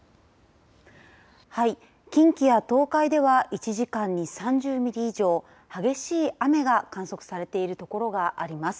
はい、近畿や東海では１時間に３０ミリ以上激しい雨が観測されているところがあります。